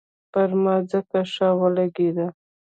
پر ما ځکه ښه ولګېد.